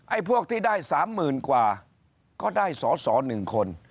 ไอ้พวกที่ได้สามหมื่นกว่าก็ได้สอหนึ่งคน